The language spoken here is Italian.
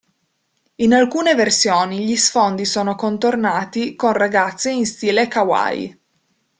In alcune versioni gli sfondi sono contornati con ragazze in stile Kawaii.